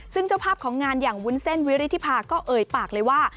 ซึ่งเจ้าภาพของงานอย่างวุ้นเส้นวิริธิภาก็เอ่ยปากเลยว่า